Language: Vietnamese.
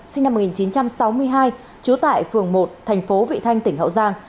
sinh năm một nghìn chín trăm sáu mươi hai chú tại phường một tp vị thanh tỉnh hậu giang